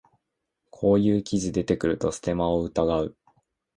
こういう記事出てくるとステマを疑う